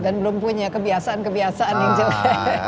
dan belum punya kebiasaan kebiasaan yang jelek